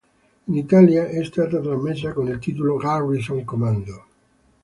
In Italia è stata trasmessa con il titolo "Garrison Commando".